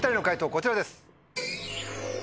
こちらです。